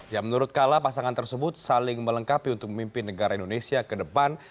ya menurut kala pasangan tersebut saling melengkapi untuk memimpin negara indonesia ke depan